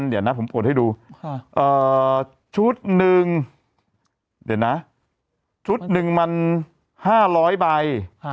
เดี๋ยวนะผมโกรธให้ดูชุดหนึ่งมัน๕๐๐ใบ